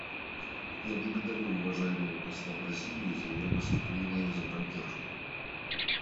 Я благодарю уважаемого посла Бразилии за его выступление и за поддержку.